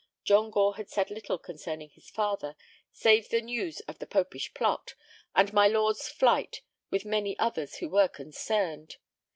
John Gore had said little concerning his father, save the news of the Popish Plot, and my lord's flight with many others who were concerned.